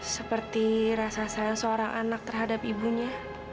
seperti rasa sayang seorang anak terhadap ibunya